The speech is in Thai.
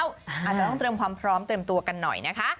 อาจจะต้องเตรียมความพร้อมเตรียมตัวกันหน่อยนะคะ